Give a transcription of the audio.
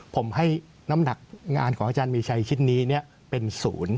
ผมให้น้ำหนักงานของอาจารย์มีชัยชิ้นนี้เป็นศูนย์